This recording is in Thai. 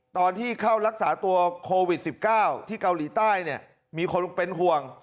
ตอนที่เข้ารักษาตัวโควิด๑๙ที่เกาหลีใต้เนี่ยมีคนเป็นห่วง